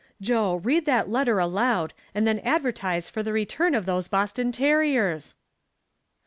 "Joe, read that letter aloud and then advertise for the return of those Boston terriers!"